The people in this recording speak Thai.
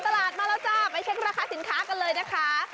ตลาดมาแล้วจ้าไปเช็คราคาสินค้ากันเลยนะคะ